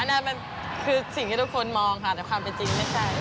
นั่นมันคือสิ่งที่ทุกคนมองค่ะแต่ความเป็นจริงไม่ใช่